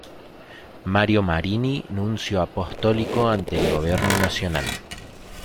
Mario Marini, nuncio apostólico ante el Gobierno Nacional.